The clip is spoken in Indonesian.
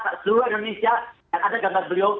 seluruh indonesia yang ada gambar beliau